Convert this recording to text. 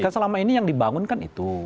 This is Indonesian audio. selama ini yang dibangun kan itu